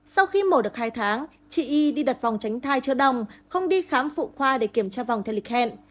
sau khi mổ được hai tháng chị y đi đặt vòng tránh thai chưa đồng không đi khám phụ khoa để kiểm tra vòng telecan